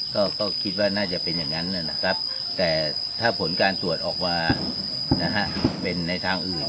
ก็คิดว่าน่าจะเป็นอย่างนั้นนะครับแต่ถ้าผลการตรวจออกมาเป็นในทางอื่น